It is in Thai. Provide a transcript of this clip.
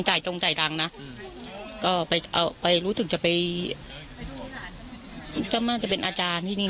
จ่ายจงจ่ายดังน่ะอืมก็ไปเอาไปรู้ถึงจะไปก็มันจะเป็นอาจารย์ที่นี่น่ะ